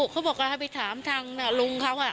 เขาบอกก็ไปถามทางลุงเขาอะ